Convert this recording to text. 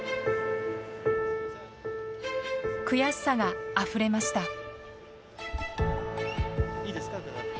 悔しさがあふれました。